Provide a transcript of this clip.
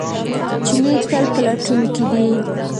چیني تل پلټونکی دی.